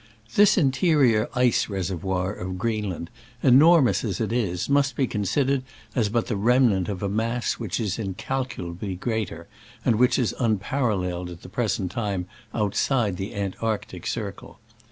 This interior ice reservoir of Creen land, enormous as it is, must be con sidered as but the remnant of a mass which was incalculably greater, and which is unparalleled at the present time o'utside the Antarctic Circle.